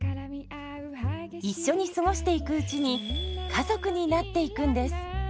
一緒に過ごしていくうちに家族になっていくんです。